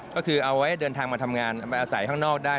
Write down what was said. ก็คือเอาไว้เดินทางมาทำงานมาอาศัยข้างนอกได้